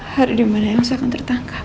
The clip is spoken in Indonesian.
hari di mana yang saya akan tertangkap